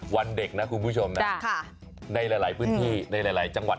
วันเด็กนะคุณผู้ชมนะในหลายพื้นที่ในหลายจังหวัด